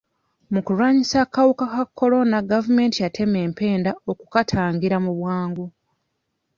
Mu kulwanyisa akawuka ka kolona, gavumenti yatema empenda okukatangira mu bwangu.